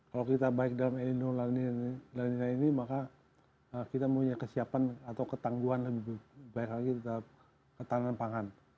kalau kita baik dalam elinor dan lain lain ini maka kita mempunyai kesiapan atau ketangguhan lebih baik lagi terhadap ketahanan pangan